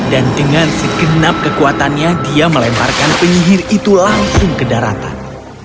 dan dengan sekenap kekuatannya dia melemparkan penyihir itu langsung ke daratan